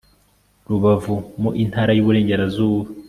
rubavu mu intara y iburengerazuba